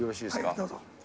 どうぞ。